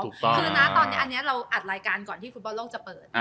คือนะตอนนี้อันนี้เราอัดรายการก่อนที่ฟุตบอลโลกจะเปิด